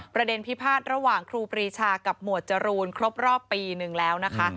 พิพาทระหว่างครูปรีชากับหมวดจรูนครบรอบปีนึงแล้วนะคะ